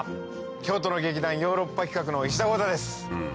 京都の劇団ヨーロッパ企画の石田剛太です！